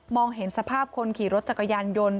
เห็นสภาพคนขี่รถจักรยานยนต์